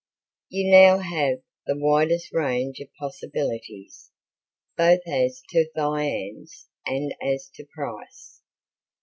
You now have the widest range of possibilities both as to viands and as to price.